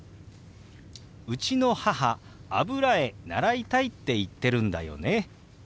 「うちの母油絵習いたいって言ってるんだよね」。